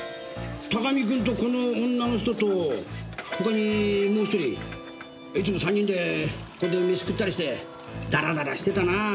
高見君とこの女の人と他にもう一人いつも３人でここでメシ食ったりしてダラダラしてたなあ。